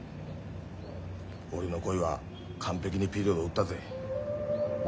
俺の恋は完璧にピリオドを打ったぜ。